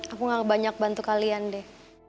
aku gak banyak bantu kalian deh